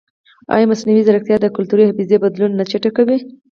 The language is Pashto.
ایا مصنوعي ځیرکتیا د کلتوري حافظې بدلون نه چټکوي؟